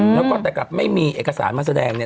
แล้วก็แต่กลับไม่มีเอกสารมาแสดงเนี่ย